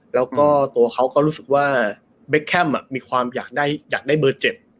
แล้วก็ตัวเขาก็รู้สึกว่าเบคแคมมีความอยากได้เบอร์๗